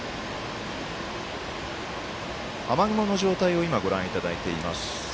雨雲の状況をご覧いただいています。